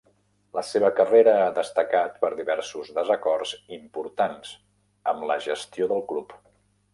La seva carrera ha destacat per diversos desacords importants amb la gestió del club.